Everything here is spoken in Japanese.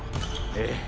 ええ。